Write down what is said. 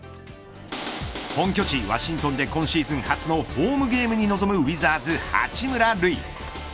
本拠地ワシントンで今シーズン初のホームゲームに臨むウィザーズ、八村塁。